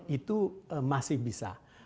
itu masih bisa